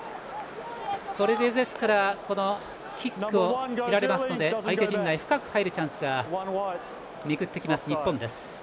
これで、キックを蹴られますので相手陣内に深く入るチャンスがめぐってきます、日本です。